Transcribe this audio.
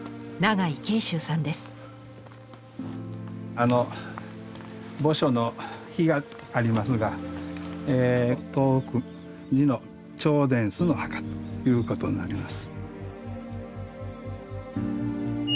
あの墓所の碑がありますが東福寺の兆殿司の墓ということになります。